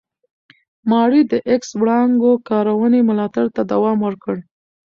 ماري د ایکس وړانګو کارونې ملاتړ ته دوام ورکړ.